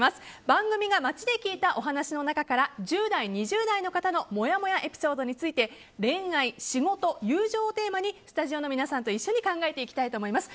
番組が街で聞いたお話の中から１０代、２０代の方のもやもやエピソードについて恋愛・仕事・友情をテーマにスタジオの皆さんと一緒に考えていきたいと思います。